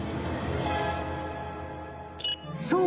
［そう。